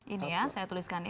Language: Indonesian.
ini ya saya tuliskan